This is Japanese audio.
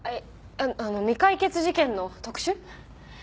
あの未解決事件の特集？